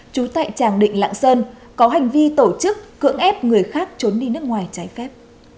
trú tại tràng định lạng sơn có hành vi tổ chức cưỡng ép người khác trốn đi nước ngoài trái phép